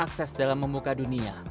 akses dalam memuka dunia